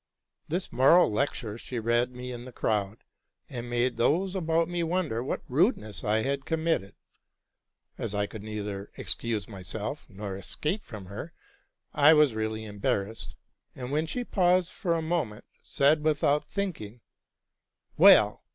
This moral lecture she read me in the crowd, and made those about me wonder what rudeness I had committed. As I could neither excuse myself, nor escape from her, I was really embarrassed, and, when she paused for a moment, said without thinking, '* Well!